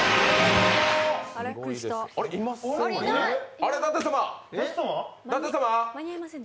あれ、舘様？